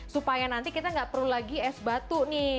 supaya nanti kita nggak perlu lagi es batu nih